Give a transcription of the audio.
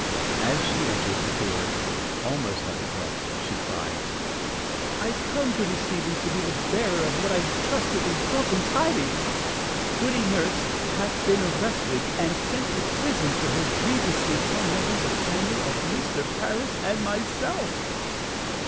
As she entered the door, almost out of breath, she cried: "I come, Goody Stevens, to be the bearer of what I trust will be welcome tidings. Goody Nurse hath been arrested and sent to prison for her grievously tormenting the family of Mr. Parris and myself."